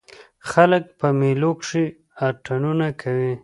خلک په مېلو کښي اتڼونه کوي.